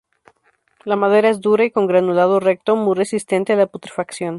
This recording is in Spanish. La madera es dura y con granulado recto, muy resistente a la putrefacción.